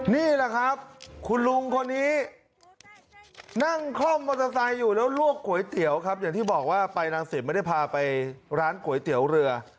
นี่แหละครับคุณลุงคนนี้นั่งคล่อมมอเตอร์ไซค์อยู่แล้วลวกก๋วยเตี๋ยวครับอย่างที่บอกว่าไปรังสิตไม่ได้พาไปร้านก๋วยเตี๋ยวเรือ